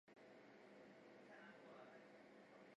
阮氏游晚年的时候在嘉林县梅发寺出家。